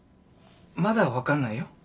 まだ分かんないよ。